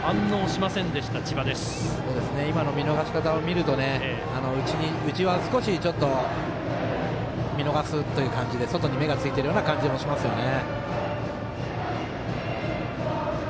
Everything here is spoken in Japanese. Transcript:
今の見逃し方を見ると内は少し見逃すという感じで外に目がついているような感じがしますよね。